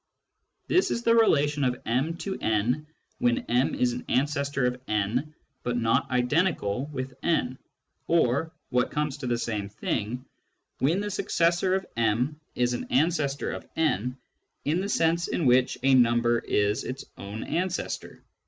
This is the relation of m to n when m is an ancestor of n but not identical with n, or (what comes to the same thing) when the successor of m is an ancestor of n in the sense in which a number is its own ancestor.